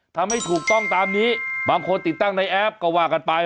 ทำให้ถูกต้องตามนี้บางคนติดตั้งในแอปก็ว่ากันไป